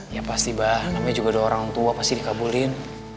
ya pasti bah namanya juga ada orang tua pasti dikabulin